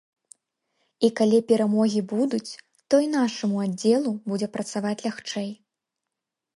І калі перамогі будуць, то і нашаму аддзелу будзе працаваць лягчэй.